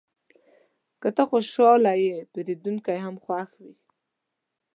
که ته خوشحاله یې، پیرودونکی هم خوښ وي.